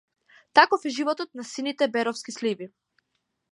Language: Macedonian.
Таков е животот на сините беровски сливи.